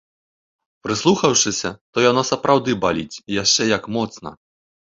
Прыслухаўшыся, то яно сапраўды баліць, і яшчэ як моцна.